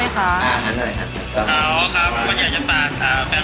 ไม่ว่าจะเชียร์อยู่ทางหน้าจอทีวีที่บ้าน